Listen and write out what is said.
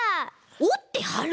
おってはる？